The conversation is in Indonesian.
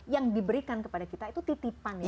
yang diberikan kepada kita itu titipan ya